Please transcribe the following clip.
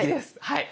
はい。